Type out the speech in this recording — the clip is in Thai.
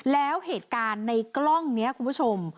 แล้วเหตุการณ์ในกล้องนี้คุณผู้ชม